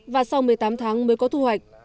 và sau một mươi tám tháng mới có thu hoạch